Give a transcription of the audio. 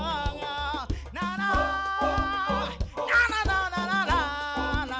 ทวงคำนองที่ตัวฉันนั้นมั่นใจ